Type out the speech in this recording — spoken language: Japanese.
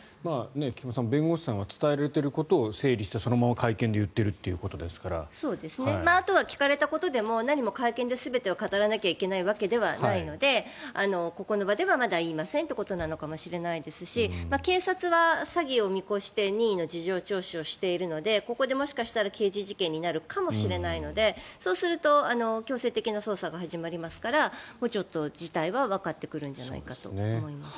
菊間さん、弁護士さんは伝えられていることを整理して、そのまま会見で言っているということですからあとは聞かれたことでも何も会見で全てを語らなきゃいけないわけではないのでここの場ではまだ言いませんということなのかもしれないですし警察は詐欺を見越して任意の事情聴取をしているのでここでもしかしたら刑事事件になるかもしれないのでそうすると強制的な捜査が始まりますからもうちょっと事態はわかってくるんじゃないかと思います。